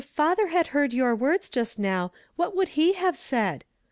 father had heard your ^vords just now, what would he have said?'